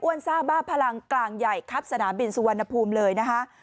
ซ่าบ้าพลังกลางใหญ่ครับสนามบินสุวรรณภูมิเลยนะคะ